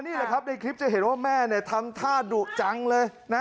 นี่แหละครับในคลิปจะเห็นว่าแม่ทำท่าดุจังเลยนะ